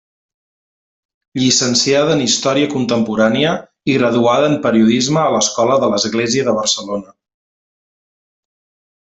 Llicenciada en Història Contemporània i graduada en Periodisme a l'Escola de l'Església de Barcelona.